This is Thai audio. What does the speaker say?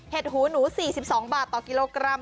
หูหนู๔๒บาทต่อกิโลกรัม